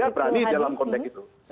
saya berani dalam konteks itu